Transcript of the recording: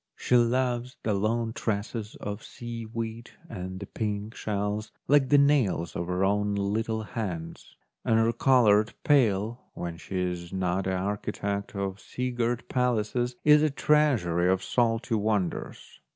She loves the long tresses of seaweed and the pink 1 shells like the nails of her own little hands ; and her coloured pail, when she is not the architect of sea girt palaces, is a treasury of salty wonders.